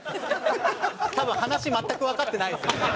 多分話全くわかってないですね。